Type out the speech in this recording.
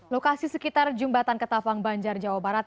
lokasi sekitar jembatan ketapang banjar jawa barat